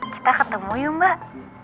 kita ketemu yuk mbak